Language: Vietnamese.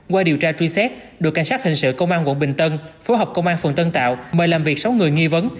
qua điều tra truy xét đội cảnh sát hình sự công an quận bình tân phối hợp công an phường tân tạo mời làm việc sáu người nghi vấn